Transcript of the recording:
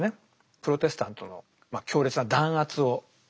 プロテスタントの強烈な弾圧をした人です。